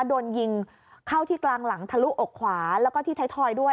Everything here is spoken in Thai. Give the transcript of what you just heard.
โดนยิงเข้าที่กลางหลังทะลุอกขวาแล้วก็ที่ไทยทอยด้วย